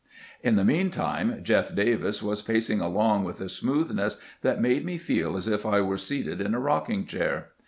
In the mean time " Jeff Davis " was pac ing along with a smoothness which made me feel as if I were seated in a rocking chair.